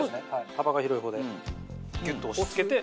幅が広い方でぎゅっと押し付けて。